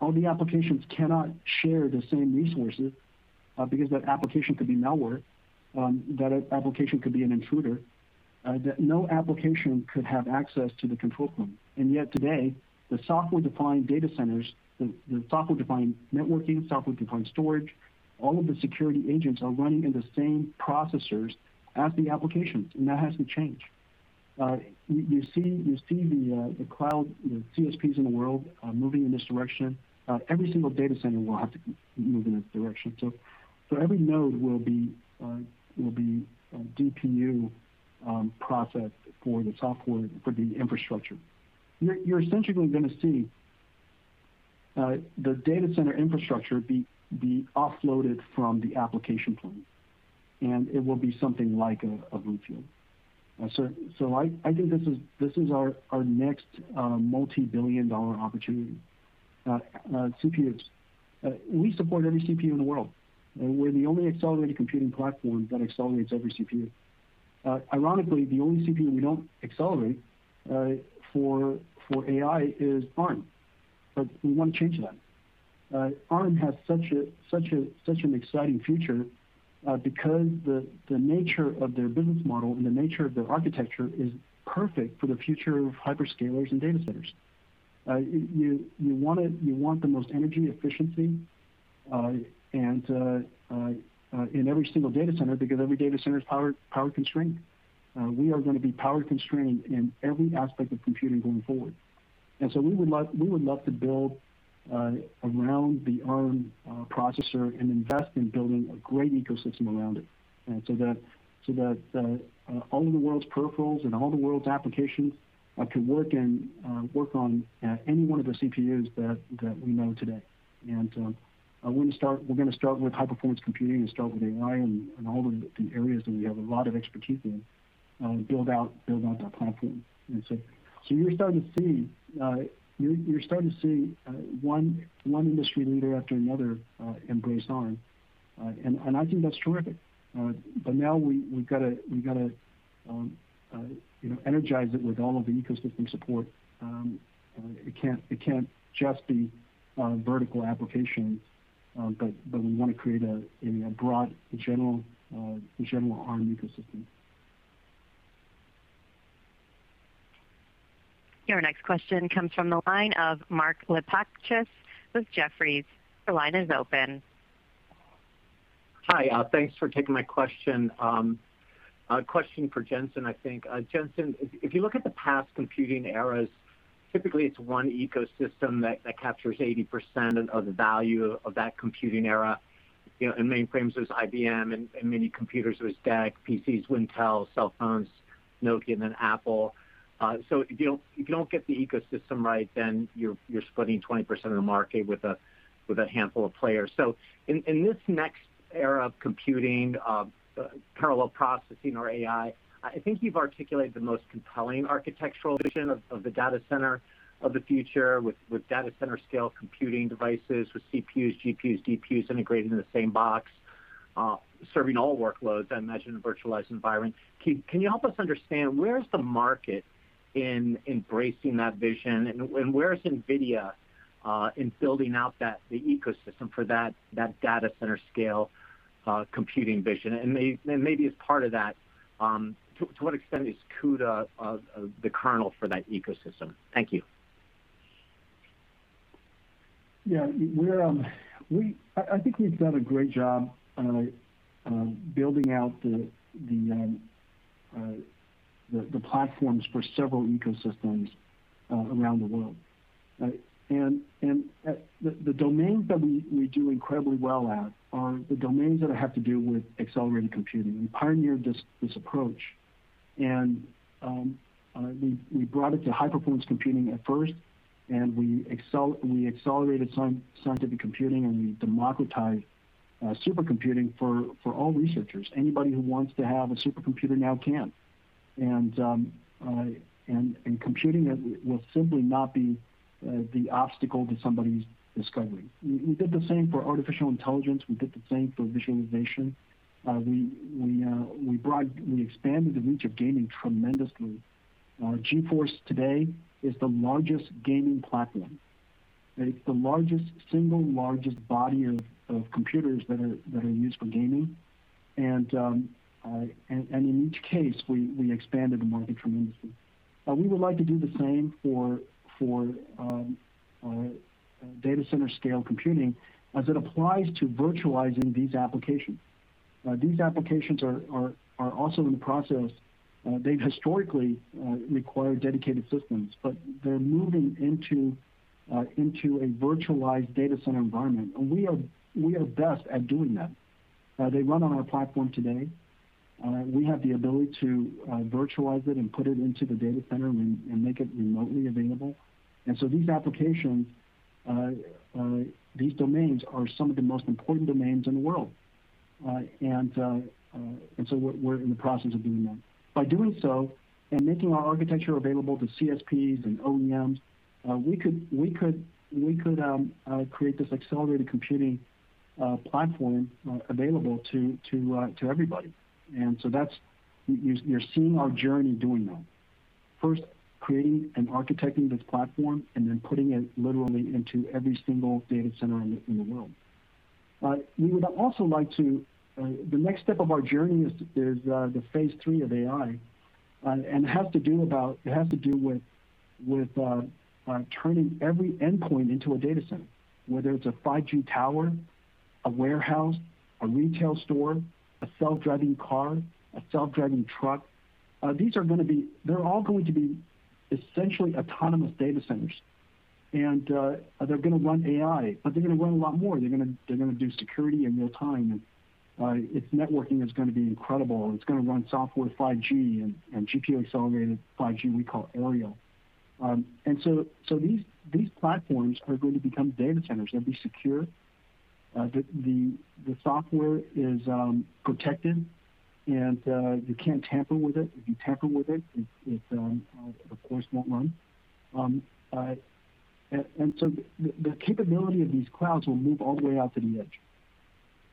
All the applications cannot share the same resources because that application could be malware, that application could be an intruder, that no application could have access to the control plane. Yet today, the software-defined data centers, the software-defined networking, software-defined storage, all of the security agents are running in the same processors as the applications, and that has to change. You see the cloud, the CSPs in the world are moving in this direction. Every single data center will have to move in this direction. Every node will be DPU processed for the software for the infrastructure. You're essentially going to see the data center infrastructure be offloaded from the application plane, and it will be something like a BlueField. I think this is our next multibillion-dollar opportunity. CPUs, we support every CPU in the world. We're the only accelerated computing platform that accelerates every CPU. Ironically, the only CPU we don't accelerate for AI is Arm, but we want to change that. Arm has such an exciting future because the nature of their business model and the nature of their architecture is perfect for the future of hyperscalers and data centers. You want the most energy efficiency in every single data center because every data center is power-constrained. We are going to be power-constrained in every aspect of computing going forward. We would love to build around the Arm processor and invest in building a great ecosystem around it so that all of the world's peripherals and all the world's applications can work on any one of the CPUs that we know today. We're going to start with high-performance computing and start with AI and all of the areas that we have a lot of expertise in, build out that platform. You're starting to see one industry leader after another embrace Arm, and I think that's terrific. Now we've got to energize it with all of the ecosystem support. It can't just be vertical applications, but we want to create a broad general Arm ecosystem. Your next question comes from the line of Mark Lipacis with Jefferies. Your line is open. Hi. Thanks for taking my question. A question for Jensen, I think. Jensen, if you look at the past computing eras, typically it's one ecosystem that captures 80% of the value of that computing era. In mainframes, it was IBM; in minicomputers, it was DEC, PCs, Intel, cell phones, Nokia, and then Apple. If you don't get the ecosystem right, then you're splitting 20% of the market with a handful of players. In this next era of computing, parallel processing, or AI, I think you've articulated the most compelling architectural vision of the data center of the future with data center scale computing devices, with CPUs, GPUs, DPUs integrated in the same box, serving all workloads. I imagine a virtualized environment. Can you help us understand where's the market in embracing that vision, and where is NVIDIA in building out the ecosystem for that data center scale computing vision? Maybe as part of that, to what extent is CUDA the kernel for that ecosystem? Thank you. Yeah. I think we've done a great job building out the platforms for several ecosystems around the world. The domains that we do incredibly well at are the domains that have to do with accelerated computing. We pioneered this approach, and we brought it to high-performance computing at first, and we accelerated scientific computing, and we democratized supercomputing for all researchers. Anybody who wants to have a supercomputer now can. Computing will simply not be the obstacle to somebody's discovery. We did the same for artificial intelligence. We did the same for visualization. We expanded the reach of gaming tremendously. Our GeForce today is the largest gaming platform. It's the single largest body of computers that are used for gaming. In each case, we expanded the market tremendously. We would like to do the same for data center scale computing as it applies to virtualizing these applications. These applications are also in the process. They've historically required dedicated systems, but they're moving into a virtualized data center environment, and we are best at doing that. They run on our platform today. We have the ability to virtualize it and put it into the data center and make it remotely available. These applications, these domains are some of the most important domains in the world. We're in the process of doing that. By doing so and making our architecture available to CSPs and OEMs, we could create this accelerated computing platform available to everybody. You're seeing our journey doing that. First, creating and architecting this platform, and then putting it literally into every single data center in the world. The next step of our journey is the Phase Three of AI. It has to do with turning every endpoint into a data center, whether it's a 5G tower, a warehouse, a retail store, a self-driving car, a self-driving truck. They're all going to be essentially autonomous data centers. They're going to run AI, but they're going to run a lot more. They're going to do security in real time, and its networking is going to be incredible. It's going to run software 5G and GPU-accelerated 5G we call Aerial. These platforms are going to become data centers. They'll be secure. The software is protected, and you can't tamper with it. If you tamper with it of course won't run. The capability of these clouds will move all the way out to the edge,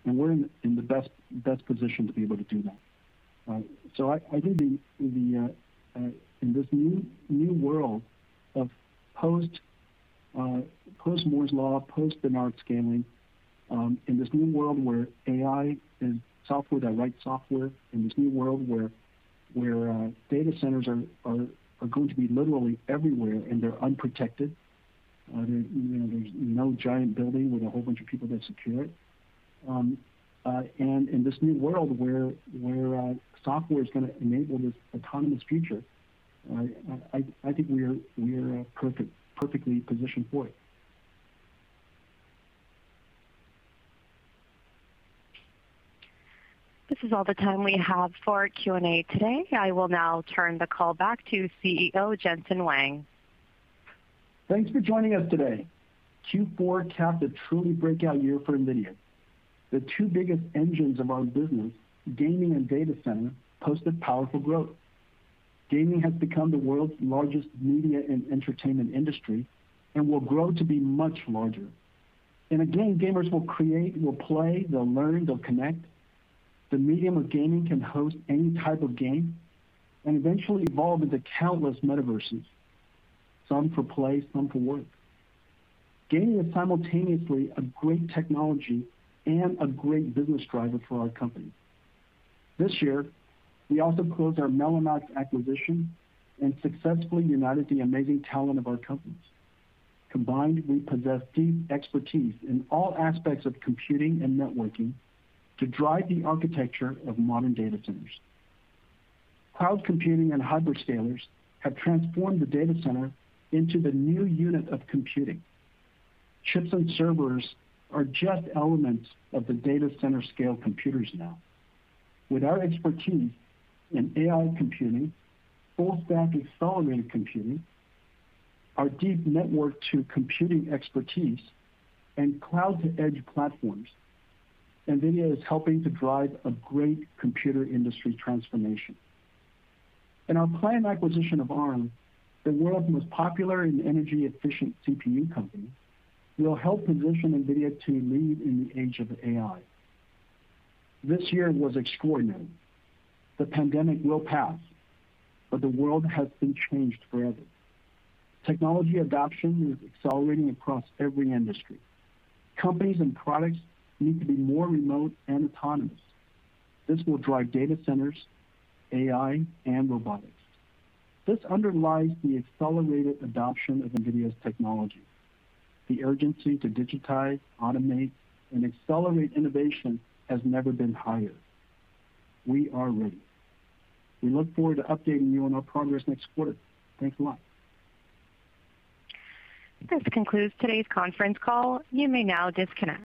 and we're in the best position to be able to do that. I think in this new world of post-Moore's Law, post-Dennard scaling, in this new world where AI and software that write software, in this new world where data centers are going to be literally everywhere, and they're unprotected. There's no giant building with a whole bunch of people that secure it. In this new world where software is going to enable this autonomous future, I think we're perfectly positioned for it. This is all the time we have for Q&A today. I will now turn the call back to CEO, Jensen Huang. Thanks for joining us today. Q4 capped a truly breakout year for NVIDIA. The two biggest engines of our business, gaming and data center, posted powerful growth. Gaming has become the world's largest media and entertainment industry and will grow to be much larger. In a game, gamers will create, will play, they'll learn, they'll connect. The medium of gaming can host any type of game and eventually evolve into countless metaverses, some for play, some for work. Gaming is simultaneously a great technology and a great business driver for our company. This year, we also closed our Mellanox acquisition and successfully united the amazing talent of our companies. Combined, we possess deep expertise in all aspects of computing and networking to drive the architecture of modern data centers. Cloud computing and hyperscalers have transformed the data center into the new unit of computing. Chips and servers are just elements of the data center scale computers now. With our expertise in AI computing, full stack accelerated computing, our deep network to computing expertise, and cloud-to-edge platforms, NVIDIA is helping to drive a great computer industry transformation. In our planned acquisition of Arm, the world's most popular and energy-efficient CPU company, will help position NVIDIA to lead in the age of AI. This year was extraordinary. The pandemic will pass, but the world has been changed forever. Technology adoption is accelerating across every industry. Companies and products need to be more remote and autonomous. This will drive data centers, AI, and robotics. This underlies the accelerated adoption of NVIDIA's technology. The urgency to digitize, automate, and accelerate innovation has never been higher. We are ready. We look forward to updating you on our progress next quarter. Thanks a lot. This concludes today's conference call. You may now disconnect.